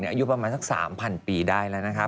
อายุประมาณสัก๓๐๐ปีได้แล้วนะครับ